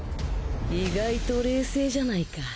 意外と冷静じゃないか。